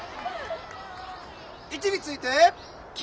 位置について。